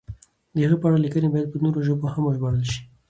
د هغه په اړه لیکنې باید په نورو ژبو هم وژباړل شي.